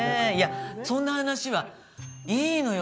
そんな話はいいのよ！